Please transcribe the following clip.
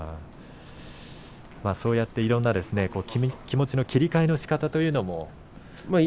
そうやっていろいろな気持ちを切り替えのしかたというのも。